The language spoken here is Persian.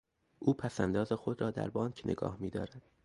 او پس انداز خود را در بانک نگاه میدارد.